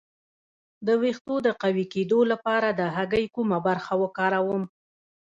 د ویښتو د قوي کیدو لپاره د هګۍ کومه برخه وکاروم؟